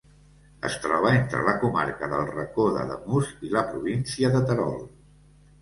Es troba entre la comarca del Racó d'Ademús i la província de Terol.